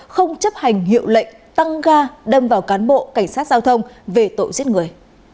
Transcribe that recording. không chấp hành hiệu lệnh tăng ga đâm vào cán bộ cảnh sát giao thông về tội giết người